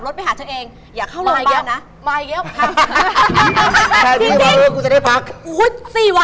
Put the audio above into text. สงสัยปีมะแมรอ่อ